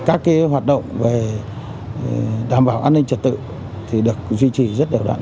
các hoạt động về đảm bảo an ninh trật tự được duy trì rất đều đoạn